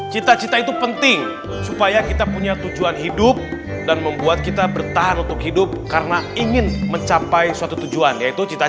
cita cita itu penting supaya kita punya tujuan hidup dan membuat kita bertahan untuk hidup karena ingin mencapai suatu tujuan yaitu cita cita